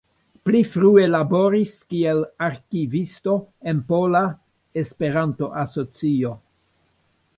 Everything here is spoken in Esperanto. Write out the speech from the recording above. Pli frue laboris kiel arkivisto en Pola Esperanto-Asocio.